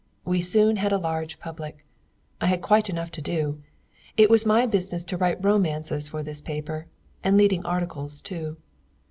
We soon had a large public. I had quite enough to do. It was my business to write romances for this paper, and leading articles too.